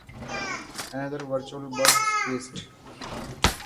Another virtual bug squished.